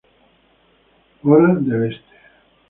Hora del Este.